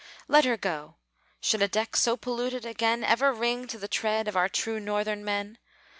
Let her go! Should a deck so polluted again Ever ring to the tread of our true Northern men?